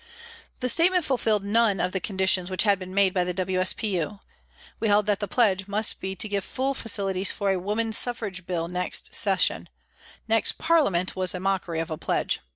The statement fulfilled none of the conditions which had been made by the W.S.P.U We held that the pledge must be to give full facilities for a Woman Suffrage Bill next Session next Parlia ment was a mockery of a pledge.